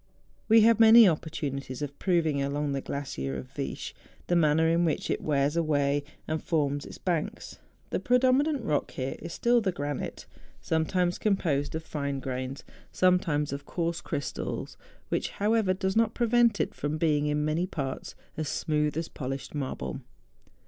We had many opportunities of proving, along the glacier of Viesch, the manner in which it wears away and forms its banks. The predominant rock is here still the granite, sometimes composed of fine grains, sometimes of coarse crystals; which, how¬ ever, does not prevent it from being in many parts as smooth as polished marble.